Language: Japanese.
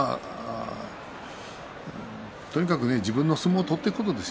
とにかく自分の相撲を取っていくことです。